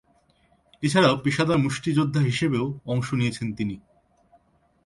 এছাড়াও, পেশাদার মুষ্টিযোদ্ধা হিসেবেও অংশ নিয়েছেন তিনি।